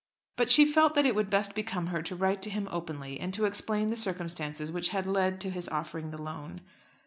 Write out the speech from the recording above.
But she felt that it would best become her to write to him openly, and to explain the circumstances which had led to his offering the loan.